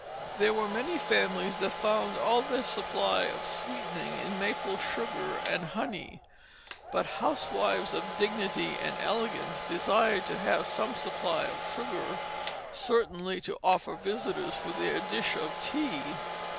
There were many families that found all their supply of sweetening in maple sugar and honey; but housewives of dignity and elegance desired to have some supply of sugar, certainly to offer visitors for their dish of tea.